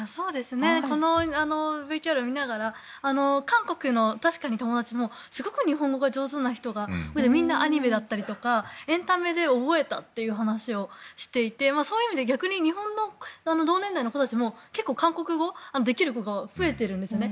このＶＴＲを見ながら確かに韓国の友達もすごく日本語が上手な人がみんなアニメだったりとかエンタメで覚えたという話をしていてそういう意味で逆に日本の同年代の子たちも結構、韓国語できる子が増えてるんですね。